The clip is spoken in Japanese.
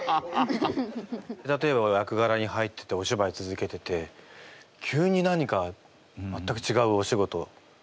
例えば役がらに入ってておしばい続けてて急に何か全くちがうお仕事。